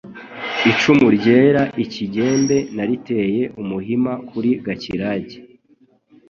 icumu ryera ikigembe nariteye umuhima kuri Gakirage